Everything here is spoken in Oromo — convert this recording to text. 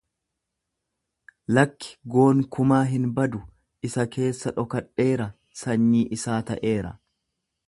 Lakki goonkumaa hin badu, isa keessa dhokadheeraa, sanyii isaa ta'eera.